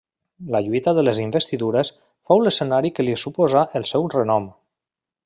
La Lluita de les Investidures fou l'escenari que li suposà el seu renom.